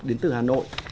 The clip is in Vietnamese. đến từ hà nội